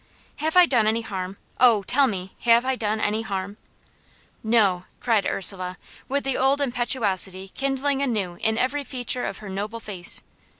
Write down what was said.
"Have I done any harm? oh! tell me, have I done any harm?" "No!" cried Ursula, with the old impetuosity kindling anew in every feature of her noble face.